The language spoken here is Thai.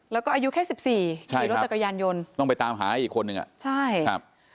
แล้วก็อายุแค่๑๔ขี่รถจักรยานยนต์ต้องไปตามหาอีกคนหนึ่ง